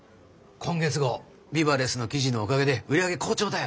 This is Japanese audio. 今月号ＢＩＢＡＬＥＳＳの記事のおかげで売り上げ好調だよ。